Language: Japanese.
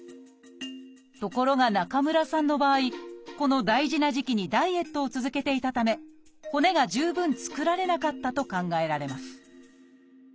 ところが中村さんの場合この大事な時期にダイエットを続けていたため骨が十分作られなかったと考えられます